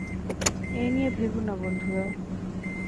এ নিয়ে ভেবো না বন্ধুরা।